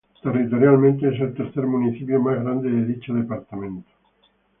Territorialmente es el tercer municipio más grande de dicho departamento.